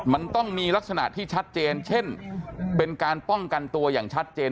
มันต้องมีลักษณะที่ชัดเจนเช่นเป็นการป้องกันตัวอย่างชัดเจน